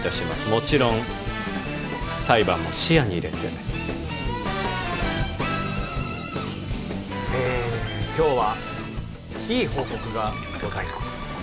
もちろん裁判も視野に入れてえ今日はいい報告がございます